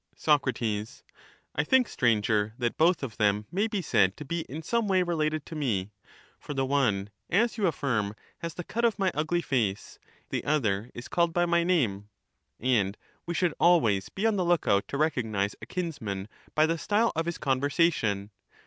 Soc. I think, Stranger, that both of them may be said to be in some way related to me ; for the one, as you affirm, has 258 the cut of my ugly face \ the other is called by my name. And we should always be on the look out to recognize a kinsman by the style of his conversation.